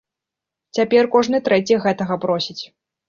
Цяпер кожны трэці гэтага просіць!